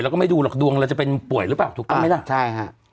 ก็ไม่ดูหรอกดวงเราจะเป็นป่วยหรือเปล่าถูกต้องไหมล่ะใช่ฮะ